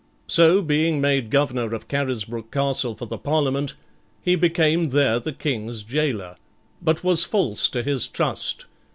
So being made Governor of Carisbrooke Castle for the Parliament, he became there the King's jailer, but was false to his trust.